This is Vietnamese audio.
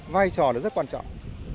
vai trò rất quan trọng